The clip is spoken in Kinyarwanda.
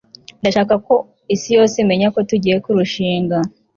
ndashaka ko isi yose imenya ko tugiye kurushinga